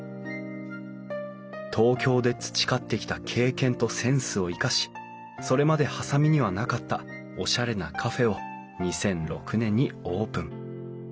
東京で培ってきた経験とセンスを生かしそれまで波佐見にはなかったおしゃれなカフェを２００６年にオープン。